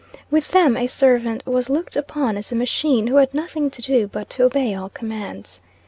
With them, a servant was looked upon as a machine who had nothing to do but to obey all commands.